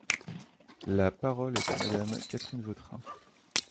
La parole est à Madame Catherine Vautrin.